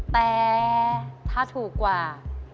แต่ถ้าถูกกว่า